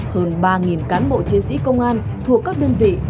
hơn ba cán bộ chiến sĩ công an thuộc các đơn vị